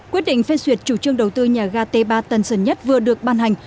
quyết định phê duyệt chủ trương đầu tư nhà ga t ba tân sơn nhất vừa được ban hành